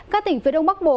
các tỉnh phía đông bắc bộ